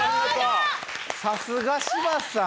さすが柴田さん。